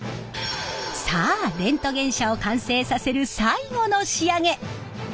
さあレントゲン車を完成させる最後の仕上げ！